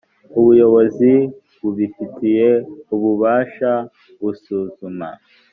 ubuyobozi bubifitiye ububasha busuzuma